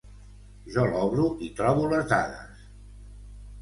Jo l'obro i trobo les dades